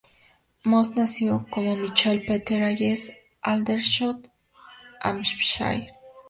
Most nació como Michael Peter Hayes en Aldershot, Hampshire.